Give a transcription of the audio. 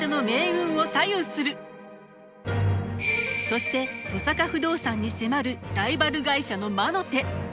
そして登坂不動産に迫るライバル会社の魔の手。